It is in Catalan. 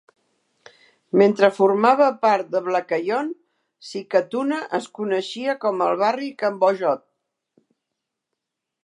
Mentre formava part de Baclayon, Sikatuna es coneixia com el barri Cambojod.